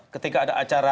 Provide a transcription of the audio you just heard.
ketika ada acara